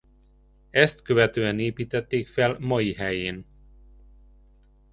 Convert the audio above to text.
Ezt követően építették fel mai helyén.